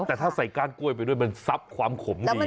แต่ถ้าใส่ก้านกล้วยไปด้วยมันซับความขมดี